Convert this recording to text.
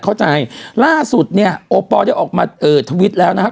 เข้าใจล่าสุดเนี้ยโอปอล์ได้ออกมาเอ้อแล้วนะฮะ